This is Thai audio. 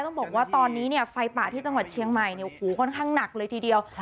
ต้องบอกว่าตอนนี้ไฟป่าที่จังหวัดเชียงใหม่ค่อนข้างหนักเลยทีเดียว